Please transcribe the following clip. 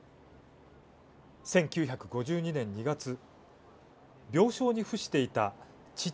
１９５２年２月病床に伏していた父